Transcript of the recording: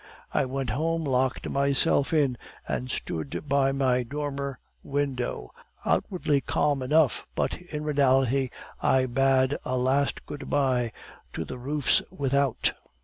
I went home, locked myself in, and stood by my dormer window, outwardly calm enough, but in reality I bade a last good bye to the roofs without.